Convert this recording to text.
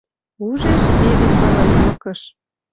Ужеш: эдем вала ӱл лыкыш.